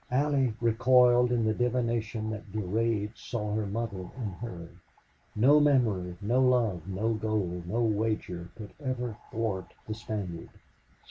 Allie recoiled in the divination that Durade saw her mother in her. No memory, no love, no gold, no wager, could ever thwart the Spaniard.